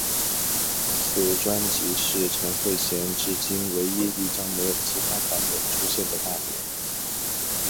此专辑是陈慧娴至今唯一一张没有以其他版本出现的大碟。